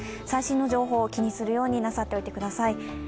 最新の情報、気にするようなさってください。